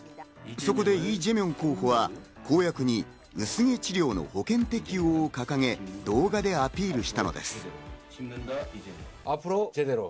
そこでイ・ジェミョン候補は公約に薄毛治療の保険適用を掲げ、動画でアピールしたのです。